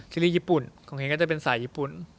ซีรีสญี่ปุ่นของเฮงก็จะเป็นสายญี่ปุ่น